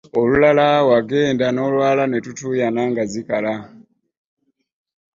Olulala wagenda n'olwala ne tutuuyana nga zikala.